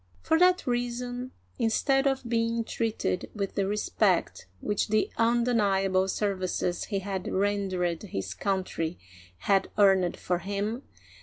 For that reason, instead of being treated with the respect which the undeniable services he had rendered his country had earned for him.